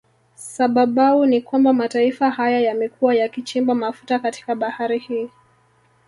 Sababau ni kwamba mataifa haya yamekuwa yakichimba mafuta katika bahari hii